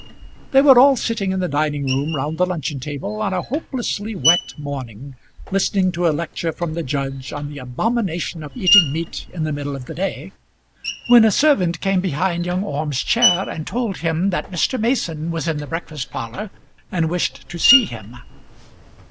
They were all sitting in the dining room round the luncheon table on a hopelessly wet morning, listening to a lecture from the judge on the abomination of eating meat in the middle of the day, when a servant came behind young Orme's chair and told him that Mr. Mason was in the breakfast parlour and wished to see him.